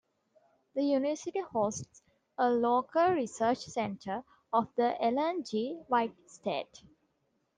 The university hosts a local research centre of the Ellen G. White Estate.